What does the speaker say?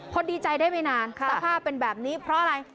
พอดีใจได้ไม่นานสภาพเป็นแบบนี้เพราะอะไร